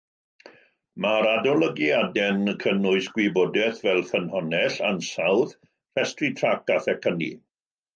Mae'r adolygiadau'n cynnwys gwybodaeth fel ffynhonnell, ansawdd, rhestru trac a phecynnu.